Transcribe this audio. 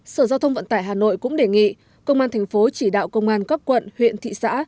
sở giao thông vận tải hà nội cũng đề nghị công an thành phố chỉ đạo công an các quận huyện thị xã